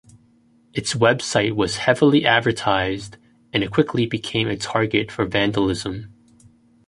Its website was heavily advertised and it quickly became a target for vandalism.